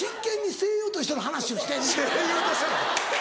声優としての⁉